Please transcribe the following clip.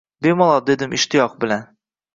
Bemalol, dedim ishtiyoq bilan